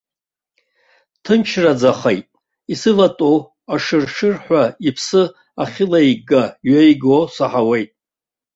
Ҭынчрахаӡеит, исыватәоу ашыр-шырҳәа иԥсы ахьылеига-ҩеиго саҳауеит.